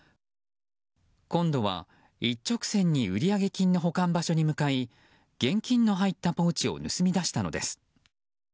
今度は、一直線に売上金の保管場所に向かい現金の入ったポーチを盗み出したのです。